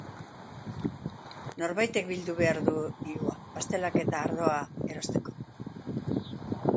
Norbaitek bildu behar du dirua pastelak eta ardoa erosteko.